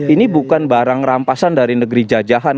ini bukan barang rampasan dari negeri jajahan